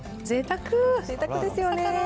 ぜいたくですよね。